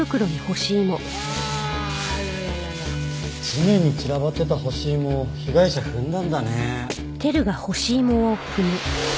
地面に散らばってた干し芋を被害者踏んだんだね。